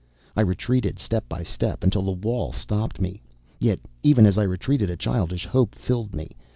I retreated, step by step, until the wall stopped me. Yet even as I retreated, a childish hope filled me.